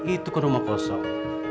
itu kan rumah kosong